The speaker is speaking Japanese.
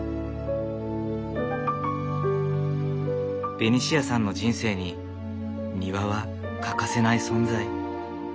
ベニシアさんの人生に庭は欠かせない存在。